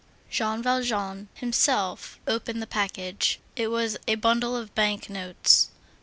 Jean Valjean himself opened the package; it was a bundle of bank notes.